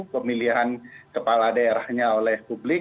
pemilihan kepala daerahnya oleh publik